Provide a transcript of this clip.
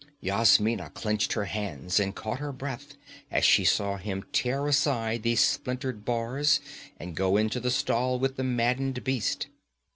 Yasmina clenched her hands and caught her breath as she saw him tear aside the splintered bars and go into the stall with the maddened beast.